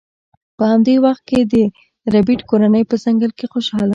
په همدې وخت کې د ربیټ کورنۍ په ځنګل کې خوشحاله وه